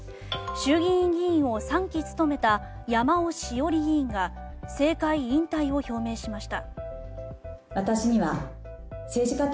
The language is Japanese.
衆議院議員を３期務めた山尾志桜里議員が政界引退を表明しました。